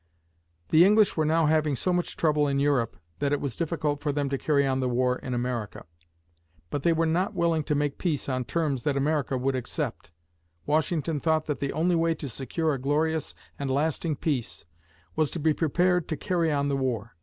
The English were now having so much trouble in Europe that it was difficult for them to carry on the war in America; but they were not willing to make peace on terms that America would accept. Washington thought that the only way to secure a glorious and lasting peace was to be prepared to carry on the war.